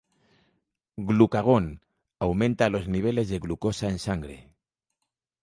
Glucagón: Aumenta los niveles de glucosa en sangre.